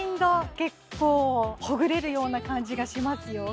結構ほぐれるような感じがしますよ。